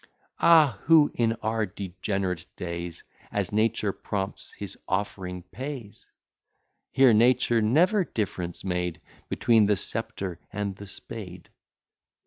Ah! who, in our degenerate days, As nature prompts, his offering pays? Here nature never difference made Between the sceptre and the spade.